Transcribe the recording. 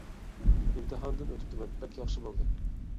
ئىمتىھاندىن ئۆتۈپتىمەن، بەك ياخشى بولدى!